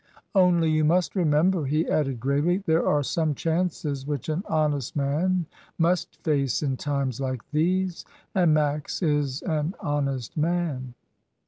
"Only you must remember," he added gravely, "there are some chances which an honest man must face in times like these, and Max is an honest man."